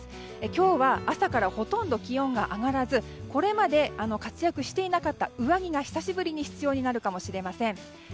今日は朝からほとんど気温が上がらずこれまで活躍していなかった上着が久しぶりに必要になるかもしれません。